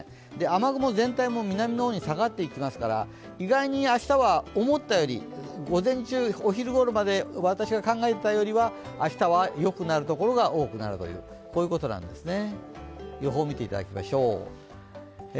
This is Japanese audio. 雨雲全体も南の方に下がっていきますから、意外に明日は思ったより、午前中、お昼ごろまで私が考えていたよりは、明日はよくなるところが多くなるということなんですね。